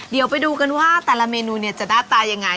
เดี๋ยวไปดูกันว่าแต่ละเมนูเนี่ยจะหน้าตายังไง